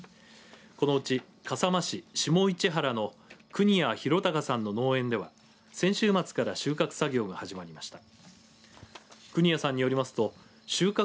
このうち、笠間市下市原の國谷博隆さんの農園では先週末から収穫作業が始まりました。